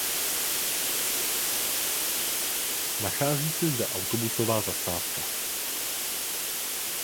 Nachází se zde autobusová zastávka.